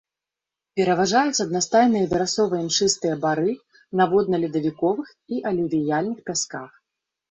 Пераважаюць аднастайныя верасова-імшыстыя бары на водна-ледавіковых і алювіяльных пясках.